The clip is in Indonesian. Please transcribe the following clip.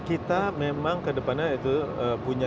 kita memang kedepannya itu punya